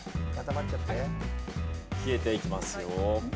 消えていきますよ。